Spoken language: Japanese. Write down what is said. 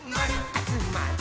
あつまる。